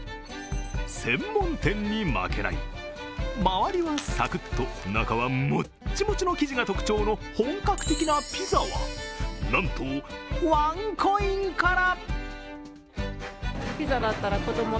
専門店に負けない、周りはサクッと中はモッチモチの生地が特徴の本格的なピザはなんとワンコインから。